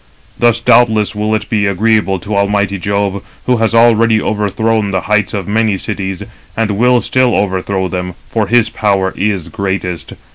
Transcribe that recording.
Thus, doubtless, will it be agreeable to almighty Jove, who has already overthrown the heights of many cities, and will still overthrow them, for his power is greatest.